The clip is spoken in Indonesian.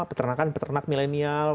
peternakan peternak milenial